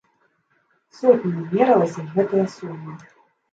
Сотнямі мералася гэтая сума!